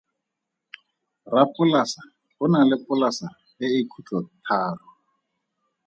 Rapolasa o na le polasa e e khutlotharo.